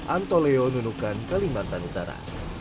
antoleo nunukan kalimantan utara